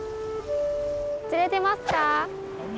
釣れてますか？